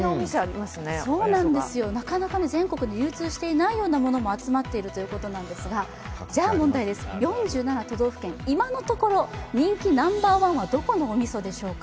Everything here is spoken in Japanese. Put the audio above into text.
なかなか全国に流通していないようなものも集まっているということですが、問題です、４７都道府県、今のところ、人気ナンバーワンはどこのおみそでしょうか？